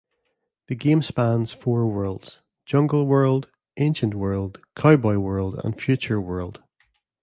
The game spans four worlds: Jungle World, Ancient World, Cowboy World, and Future World.